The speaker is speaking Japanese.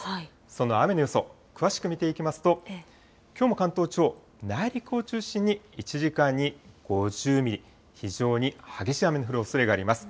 その雨の予想、詳しく見ていきますと、きょうも関東地方、内陸を中心に１時間に５０ミリ、非常に激しい雨の降るおそれがあります。